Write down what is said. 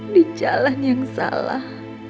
di jalan yang salah